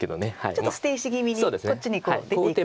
ちょっと捨て石気味にこっちに出ていくような。